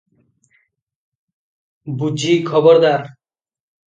ବୁଝି ଖବରଦାର!